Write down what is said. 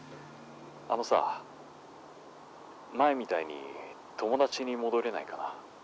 あのさ、前みたいに友達に戻れないかな。